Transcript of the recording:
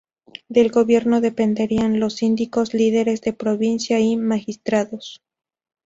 Del gobierno dependerán los Síndicos, líderes de provincia y magistrados.